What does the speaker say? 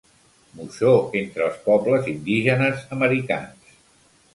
Moixó entre els pobles indígenes americans.